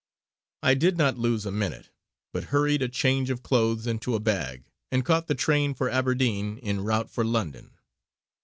I did not lose a minute, but hurried a change of clothes into a bag and caught the train for Aberdeen en route for London.